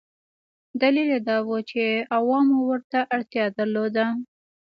دلیل یې دا و چې عوامو ورته اړتیا درلوده.